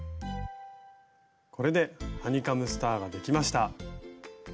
これでハニカムスターができました！